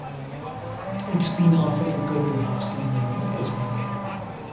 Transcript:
It's been awfully good to have seen you, Esme.